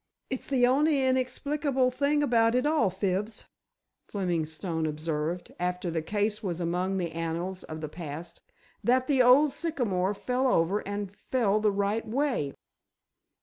"It's the only inexplicable thing about it all, Fibs," Fleming Stone observed, after the case was among the annals of the past, "that the old sycamore fell over and fell the right way."